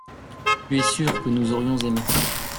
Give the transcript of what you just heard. Tu es sûr que nous aurions aimé.